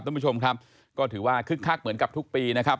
ท่านผู้ชมครับก็ถือว่าคึกคักเหมือนกับทุกปีนะครับ